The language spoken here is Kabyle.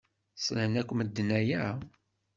Slan akk medden aya?